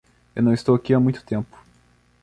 Eu não estou aqui há muito tempo!